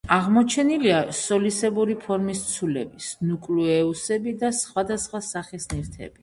აღმოჩენილია სოლისებური ფორმის ცულები, ნუკლეუსები და სხვადასხვა სახის ნივთები.